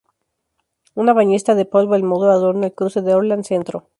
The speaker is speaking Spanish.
Una "bañista" de Paul Belmondo adorna el cruce de Orleans centro.